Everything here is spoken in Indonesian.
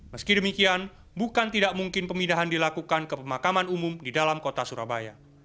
meski demikian bukan tidak mungkin pemindahan dilakukan ke pemakaman umum di dalam kota surabaya